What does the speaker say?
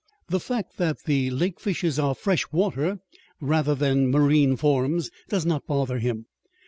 The fact that the lake fishes are fresh water, rather than marine, forms does not bother him.